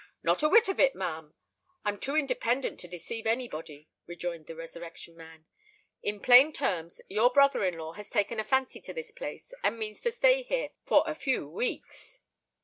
"Not a whit of it, ma'am: I'm too independent to deceive any body," rejoined the Resurrection Man. "In plain terms, your brother in law has taken a fancy to this place, and means to stay here for a few weeks."